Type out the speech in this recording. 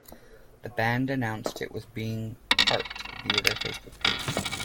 The band announced it was being "parked" via their facebook page.